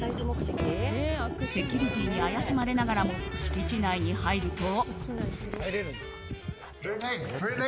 セキュリティーに怪しまれながらも敷地内に入ると。